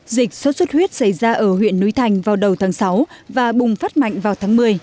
dịch sốt xuất huyết xảy ra ở huyện núi thành vào đầu tháng sáu và bùng phát mạnh vào tháng một mươi